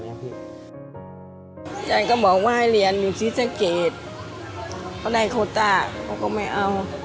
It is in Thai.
ยายก็บอกว่าให้เรียนอยู่ซีซ่าเกรดเขาได้โคตรแต่เขาก็ไม่เอา